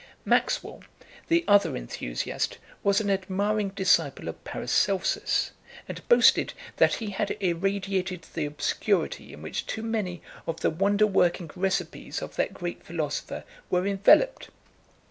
Maxwell, the other enthusiast, was an admiring disciple of Paracelsus, and boasted that he had irradiated the obscurity in which too many of the wonder working recipes of that great philosopher were enveloped.